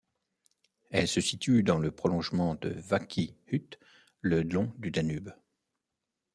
Elle se situe dans le prolongement de Váci út le long du Danube.